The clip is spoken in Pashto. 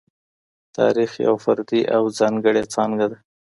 تاريخ يوه فردي او ځانګړې څانګه ده.